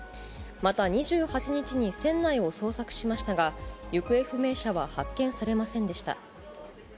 また２８日に船内を捜索しましたが、行方不明者は発見されませんでした。